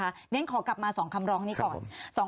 เพราะฉะนั้นขอกลับมา๒คำร้องนี้ก่อน